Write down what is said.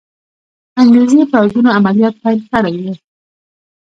انګریزي پوځونو عملیات پیل کړي وو.